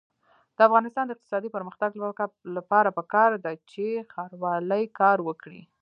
د افغانستان د اقتصادي پرمختګ لپاره پکار ده چې ښاروالي کار وکړي.